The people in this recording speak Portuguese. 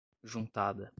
juntada